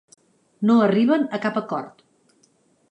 No arriben a cap acord.